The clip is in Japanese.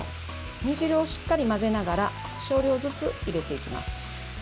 煮汁をしっかり混ぜながら少量ずつ入れていきます。